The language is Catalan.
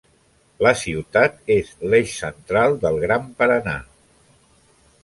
La ciutat és l'eix central del Gran Paraná.